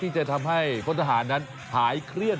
ที่จะทำให้คนทหารนั้นหายเคลื่อน